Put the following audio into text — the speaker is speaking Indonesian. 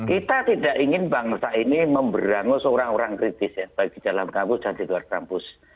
kita tidak ingin bangsa ini memberangus orang orang kritis ya baik di dalam kampus dan di luar kampus